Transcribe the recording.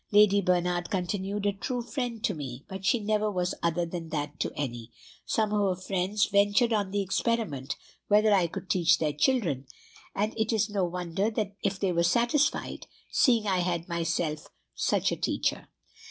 Lady Bernard continued a true friend to me but she never was other than that to any. Some of her friends ventured on the experiment whether I could teach their children; and it is no wonder if they were satisfied, seeing I had myself such a teacher.